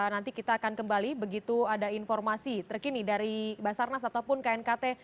nanti kita akan kembali begitu ada informasi terkini dari basarnas ataupun knkt